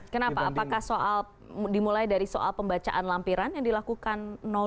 kenapa apakah soal dimulai dari soal pembacaan lampiran yang dilakukan dua